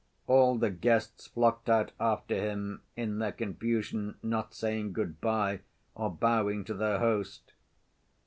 All the guests flocked out after him, in their confusion not saying good‐by, or bowing to their host.